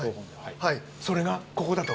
それがここだと？